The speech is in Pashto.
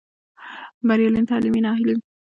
بریالی تعلیم ناهیلي ختموي.